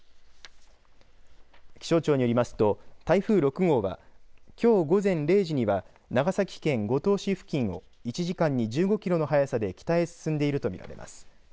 気象庁によりますと台風６号はきょう午前０時には長崎県五島市付近を１時間に１５キロの速さで北へ進んでいると見られます。